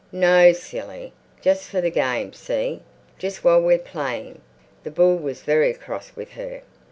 "No, silly. Just for the game, see? Just while we're playing." The bull was very cross with her.